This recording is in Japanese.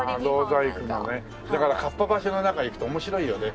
だからかっぱ橋の中行くと面白いよね。